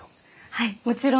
はいもちろんです。